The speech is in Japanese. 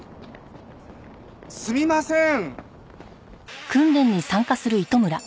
すみません！